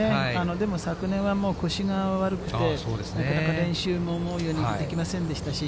でも昨年はもう腰が悪くて、なかなか練習も思うようにできませんでしたし。